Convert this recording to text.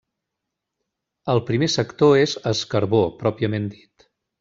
El primer sector és es Carbó pròpiament dit.